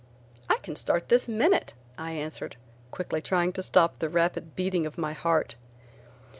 "I can start this minute," I answered, quickly trying to stop the rapid beating of my heart.